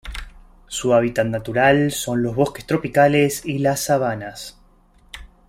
Su hábitat natural son los bosques tropicales y las sabanas.